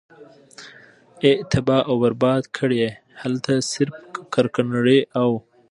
ئي تباه او برباد کړې!! هلته صرف کرکنړي او